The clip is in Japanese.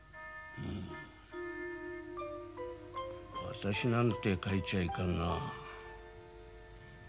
「私」なんて書いちゃいかんな。